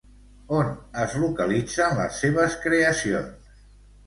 On es localitzen les seves creacions?